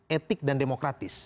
etik dan demokratis